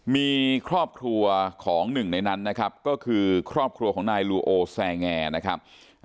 มีครอบครัวของหนึ่งในนั้นนะครับก็คือครอบครัวของนายลูโอแซงแอร์นะครับ